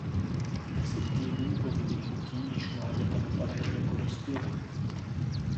Deset týdnů po vylíhnutí již mláďata vypadají jako dospělí.